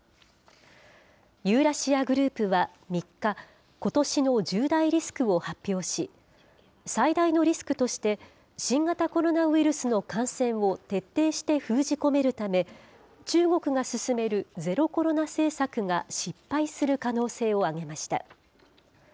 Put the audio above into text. ユーラシア・グループは３日、ことしの１０大リスクを発表し、最大のリスクとして、新型コロナウイルスの感染を徹底して封じ込めるため、中国が進めるゼロコロナ政策が失敗する可能性を挙げました。